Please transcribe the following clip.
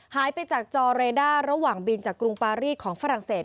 หายไปจากจอเรด้าระหว่างบินจากกรุงปารีสของฝรั่งเศส